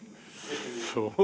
そう？